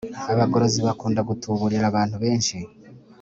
Abagorozi bakunda gutuburira abantu benshi